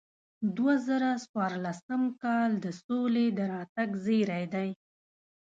دوه زره څوارلسم کال د سولې د راتګ زیری دی.